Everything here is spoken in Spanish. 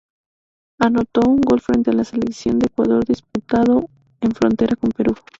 Anotó un gol frente a la selección de Ecuador disputado en frontera con Peru.